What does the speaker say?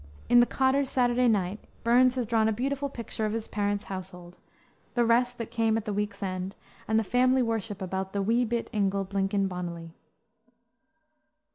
In the Cotter's Saturday Night, Burns has drawn a beautiful picture of his parents' household, the rest that came at the week's end, and the family worship about the "wee bit ingle, blinkin' bonnily."